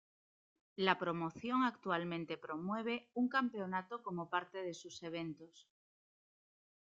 La promoción actualmente promueve un campeonato como parte de sus eventos.